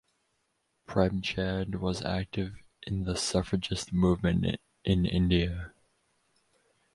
Premchand was active in the suffragist movement in India.